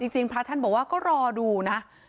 จริงพระท่านบอกว่าก็รอดูนะ